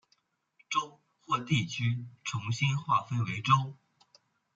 州或地区重新划分为州。